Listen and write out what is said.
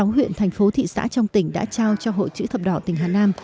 sáu huyện thành phố thị xã trong tỉnh đã trao cho hội chữ thập đỏ tỉnh hà nam